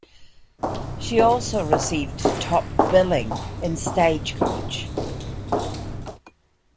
She also received top-billing in "Stagecoach".